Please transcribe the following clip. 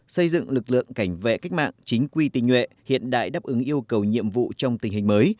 xây dựng lực lượng cảnh vệ cách mạng chính quy tình nhuệ hiện đại đáp ứng yêu cầu nhiệm vụ trong tình hình mới